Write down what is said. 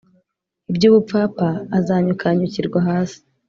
iby ubupfapfa azanyukanyukirwa hasi